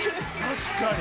確かに。